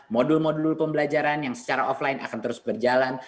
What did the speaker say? modul modul pembelajaran yang secara offline akan terus berjalan